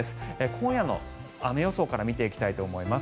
今夜の雨予想から見ていきたいと思います。